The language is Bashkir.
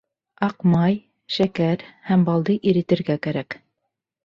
Аҡ май, шәкәр һәм балды иретергә кәрәк.